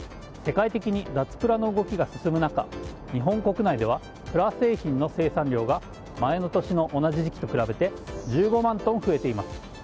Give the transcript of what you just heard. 世界的に脱プラの動きが進む中日本国内ではプラ製品の生産量が前の年の同じ時期と比べて１５万トン増えています。